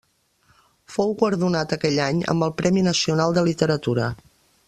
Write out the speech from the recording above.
Fou guardonat aquell any amb el Premi Nacional de Literatura.